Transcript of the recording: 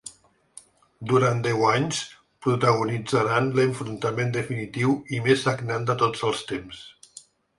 Durant deu anys, protagonitzaran l’enfrontament definitiu i més sagnant de tots els temps.